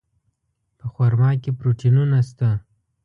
په خرما کې پروټینونه شته.